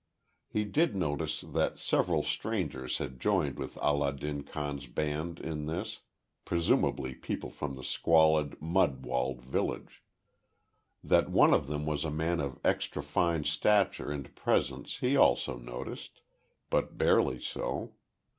He did notice that several strangers had joined with Allah din Khan's band in this presumably people from the squalid, mud walled village. That one of them was a man of extra fine stature and presence, he also noticed, but barely so.